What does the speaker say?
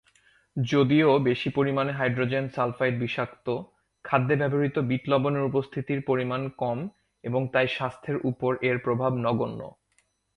যদিও বেশি পরিমানে হাইড্রোজেন সালফাইড বিষাক্ত, খাদ্যে ব্যবহৃত বিট লবণের উপস্থিতির পরিমাণ কম এবং তাই স্বাস্থ্যের উপর এর প্রভাব নগণ্য।